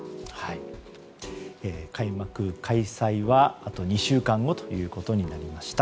開幕開催はあと２週間後となりました。